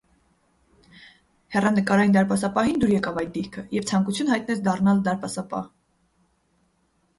Հեռանկարային դարպասապահին դուր եկավ այդ դիրքը և ցանկություն հայտնեց դառնալ դարպասապահ։